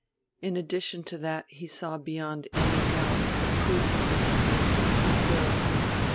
In addition to that he saw beyond any doubt the proof of its existence still.